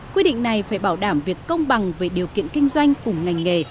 quy định này phải bảo đảm việc công bằng về điều kiện kinh doanh cùng ngành nghề